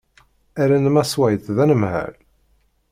Rran Mass White d anemhal.